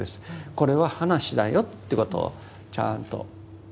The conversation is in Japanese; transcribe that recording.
これは話だよってことをちゃんと。